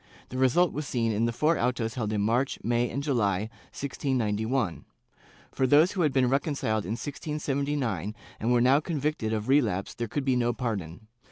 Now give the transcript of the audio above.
The result was seen in the four autos held in March, May and July, 1691. For those who had been reconciled in 1679 and were now convicted of relapse there could be no pardon.